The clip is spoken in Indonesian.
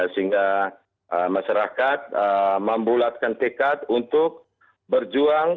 sehingga masyarakat membulatkan tekad untuk berjuang